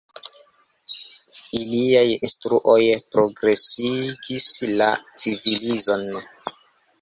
Iliaj instruoj progresigis la civilizon.